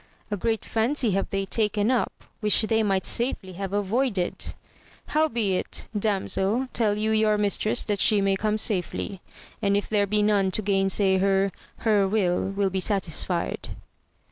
a great fancy have they taken up, which they might safely have avoided 1 howbeit, damsel tell you your mistress that she may come safely, and if there be none to gainsay her, her will will be satisfied.